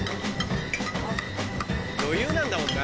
余裕なんだもんな。